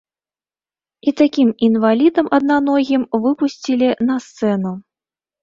І такім інвалідам аднаногім выпусцілі на сцэну.